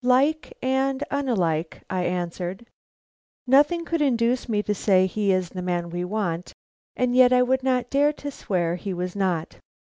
"Like and unlike," I answered. "Nothing could induce me to say he is the man we want, and yet I would not dare to swear he was not."